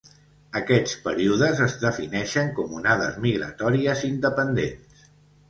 Aquests períodes es defineixen com onades migratòries independents.